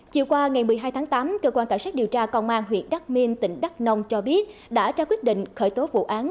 chiều qua ngày một mươi hai tháng tám cơ quan cảnh sát điều tra công an huyện đắk minh tỉnh đắk nông cho biết đã ra quyết định khởi tố vụ án